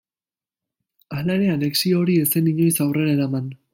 Hala ere anexio hori ez zen inoiz aurrera eraman.